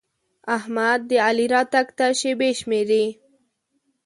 احمد د علي راتګ ته شېبې شمېري.